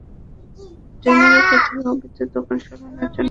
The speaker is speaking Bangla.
ড্রেনের ওপর থেকে অবৈধ দোকান সরানোর জন্য ব্যবসায়ীরা একটু সময় চেয়েছেন।